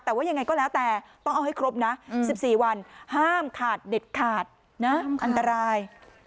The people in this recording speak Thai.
แต่ว่ายังไงก็แล้วแต่ต้องเอาให้ครบนะ๑๔วันห้ามขาดเด็ดขาดนะอันตราย